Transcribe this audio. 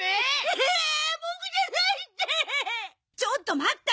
ちょっと待った！